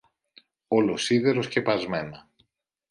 όλο σίδερο σκεπασμένα